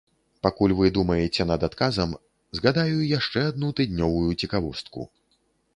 Пакуль вы думаеце над адказам, згадаю яшчэ адну тыднёвую цікавостку.